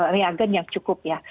reagen yang cukup ya